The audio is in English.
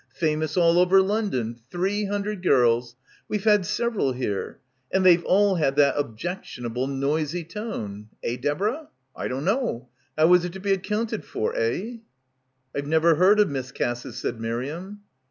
Famous all over Lon don. Three hundred gels. We've had several here. And they've all had that objectionable noisy tone. Eh, Deborah? I don't know. How is it to be accounted for? Eh?" "I've never heard of Miss Cass's," said Miriam.